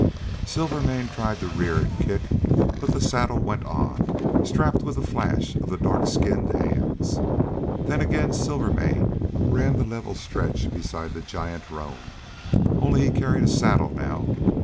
Silvermane tried to rear and kick, but the saddle went on, strapped with a flash of the dark skinned hands. Then again Silvermane ran the level stretch beside the giant roan, only he carried a saddle now.